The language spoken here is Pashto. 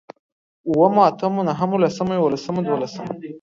اوومو، اتمو، نهمو، لسمو، يوولسمو، دوولسمو